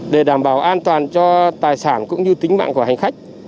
để đảm bảo an toàn cho tài sản cũng như tính mạng của hành khách